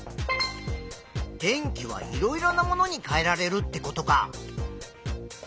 電気はいろいろなものに変えられるってことか。